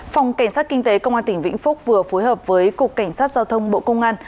phòng cảnh sát kinh tế công an tỉnh vĩnh phúc vừa phối hợp với cục cảnh sát giao thông bộ công an